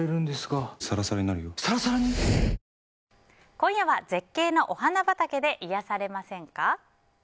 今夜は絶景なお花畑で癒やされませんか？